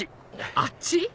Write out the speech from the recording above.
あっち？